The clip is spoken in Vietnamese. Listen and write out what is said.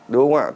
đúng không ạ